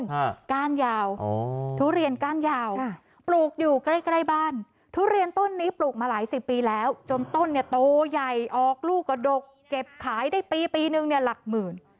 ฮะก้านยาวอ๋อทุเรียนก้านยาวค่ะปลูกอยู่ใกล้ใกล้บ้านทุเรียนต้นนี้ปลูกมาหลายสิบปีแล้วจนต้นเนี่ยโตใหญ่ออกลูกกระดกเก็บขายได้ปีปีนึงเนี่ยหลักหมื่น